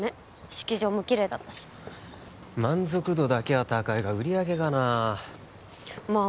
式場もきれいだったし満足度だけは高いが売り上げがなまあ